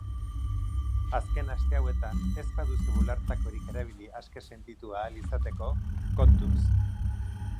Azken aste hauetan ez baduzu bularretakorik erabili aske sentitu ahal izateko, kontuz!